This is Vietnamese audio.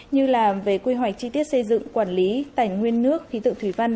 như là về quy hoạch chi tiết xây dựng quản lý tài nguyên nước khí tượng thủy văn